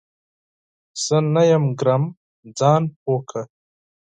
زه نه یم ګرم ، ځان پوه کړه !